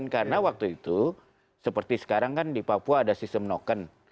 karena waktu itu seperti sekarang kan di papua ada sistem noken